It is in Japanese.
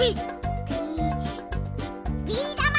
ビビーだま！